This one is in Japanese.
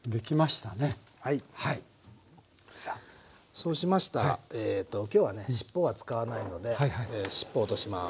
そうしましたらえと今日はねしっぽは使わないのでしっぽ落とします。